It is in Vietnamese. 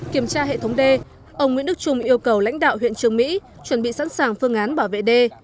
kiểm tra hệ thống đê ông nguyễn đức trung yêu cầu lãnh đạo huyện trường mỹ chuẩn bị sẵn sàng phương án bảo vệ đê